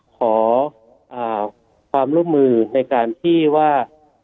ขอความร่วมมือในการที่ว่า